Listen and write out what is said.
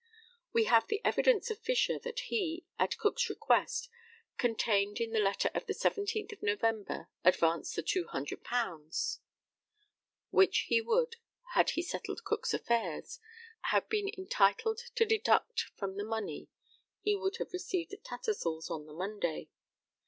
We have the evidence of Fisher, that he, at Cook's request, contained in the letter of the 17th November, advanced the £200, which he would, had he settled Cook's affairs, have been entitled to deduct from the money he would have received at Tattersall's on the Monday.